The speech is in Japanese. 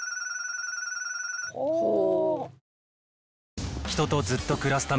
ほう。